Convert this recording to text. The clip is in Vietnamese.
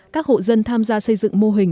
các hộ dân tham gia xây dựng mô hình